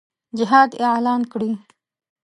جهاد اعلان کړي.